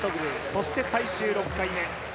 そして最終６回目。